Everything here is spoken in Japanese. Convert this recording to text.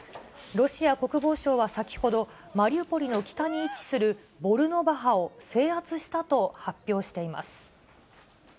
ロシア国防省は先ほど、マリウポリの北に位置するボルノバハを制圧したと発表しています。